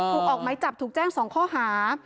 เอาออกใบจำถูกแจ้งสองข้อหา